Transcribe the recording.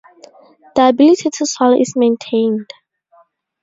The ability to swallow is maintained.